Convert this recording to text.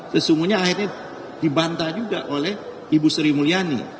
sesungguhnya akhirnya dibantah juga oleh ibu sri mulyani